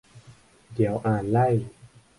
เดี๋ยวอ่านไล่